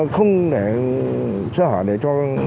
không để sở hữu để cho